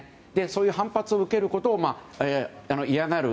そういう反発を受けることを嫌がる